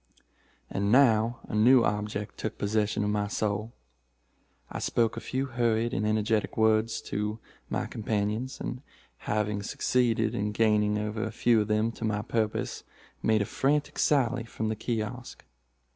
"And now a new object took possession of my soul. I spoke a few hurried but energetic words to my companions, and, having succeeded in gaining over a few of them to my purpose made a frantic sally from the kiosk.